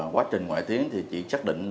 quá trình ngoại tiến thì chỉ xác định